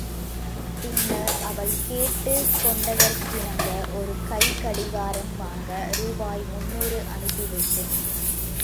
பின்னர் அவள் கேட்டுக் கொண்டதற்கிணங்க ஒரு கைக் கடிகாரம் வாங்க ரூபாய் முன்னூறு அனுப்பி வைத்தேன்.